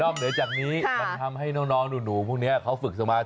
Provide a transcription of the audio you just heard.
เหนือจากนี้มันทำให้น้องหนูพวกนี้เขาฝึกสมาธิ